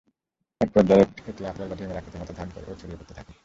এক পর্যায়ে এটি আপেল বা ডিমের আকৃতির মত ধারণ করে ও ছড়িয়ে পড়তে থাকে।